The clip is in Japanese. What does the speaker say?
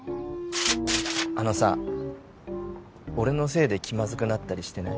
あのさ俺のせいで気まずくなったりしてない？